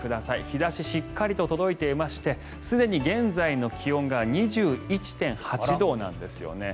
日差ししっかりと届いていましてすでに現在の気温が２１．８度なんですよね。